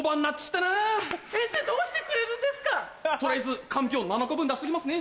取りあえずかんぴょう７日分出しときますね。